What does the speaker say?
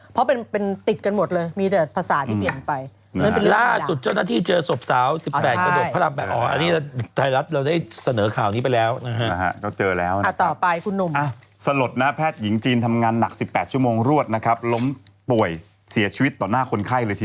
เพราะเป็นติดกันหมดเลยมีภาษาที่มีเปลี่ยนไป